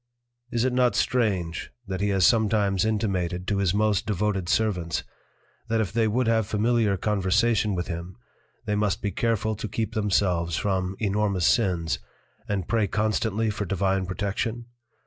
Is it not strange, that he has sometimes intimated to his most devoted servants, that if they would have familiar Conversation with him, they must be careful to keep themselves from enormous Sins, and pray constantly for Divine Protection?